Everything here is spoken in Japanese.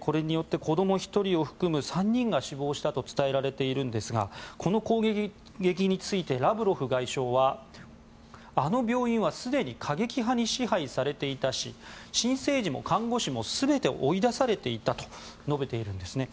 これによって子ども１人を含む３人が死亡したと伝えられているんですがこの攻撃についてラブロフ外相はあの病院はすでに過激派に支配されていたし新生児も看護師も全て追い出されていたと述べているんです。